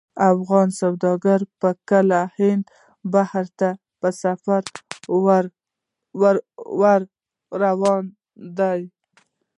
افغاني سوداګر چې به کله د هند بحر ته په سفر روانېدل.